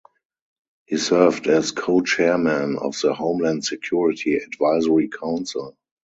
He served as Co-chairman of the Homeland Security Advisory Council.